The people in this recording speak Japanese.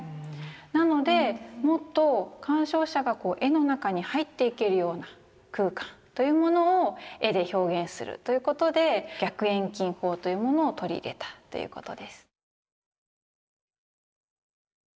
なのでもっと鑑賞者がこう絵の中に入っていけるような空間というものを絵で表現するということで逆遠近法というものを取り入れたということです。